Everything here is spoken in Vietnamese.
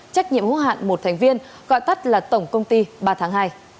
trách nhiệm hữu hạn một thành viên gọi tắt là tổng công ty ba tháng hai